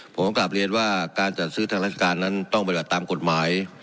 ผมกลับเรียนว่าการจัดซื้อทางราชการนั้นต้องปฏิบัติตามกฎหมาย